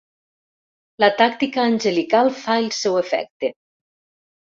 La tàctica angelical fa el seu efecte.